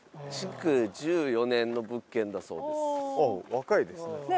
若いですね。